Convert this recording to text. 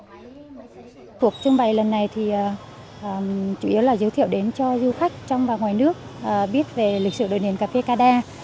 cuộc trưng bày lần này thì chủ yếu là giới thiệu đến cho du khách trong và ngoài nước biết về lịch sử đồn điền cà phê ca đa